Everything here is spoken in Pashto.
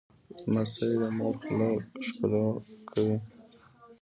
لمسی د مور خوله ښکوله کوي.